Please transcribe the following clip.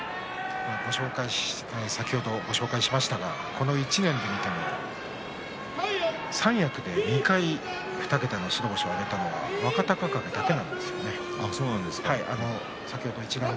先ほどご紹介しましたがこの１年を見ても三役で２回２桁の白星を挙げたのは若隆景だけなんです。